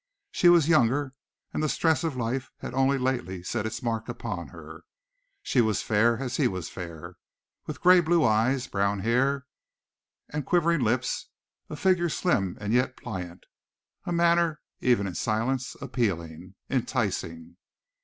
She was younger, and the stress of life had only lately set its mark upon her. She was fair, as he was fair, with gray blue eyes, brown hair, and quivering lips, a figure slim and yet pliant, a manner, even in silence, appealing, enticing.